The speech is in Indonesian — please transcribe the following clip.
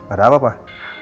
ada apa pak